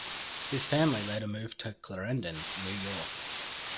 His family later moved to Clarendon, New York.